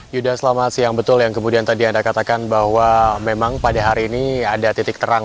yuda selamat siang betul yang kemudian tadi anda katakan bahwa memang pada hari ini ada titik terang